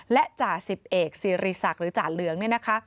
และจ่าสิบเอกซีรีศักดิ์หรือจ่าเหลืองเนี่ยนะคะ